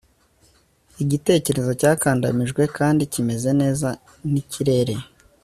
igitekerezo cyakandamijwe kandi kimeze neza nikirere